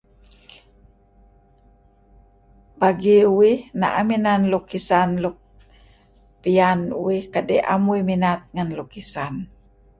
Lukis nuk doo' pian narih ni'er ineh gaber na' kayu' Tuhan Jesus, kayu' gaber narih sebuleng, tulu inan lemulun ru'en narih lukis dih doo' tebey' pian narih ni'er dih kadi' dih doo' rayeh.